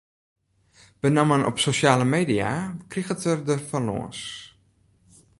Benammen op sosjale media kriget er der fan lâns.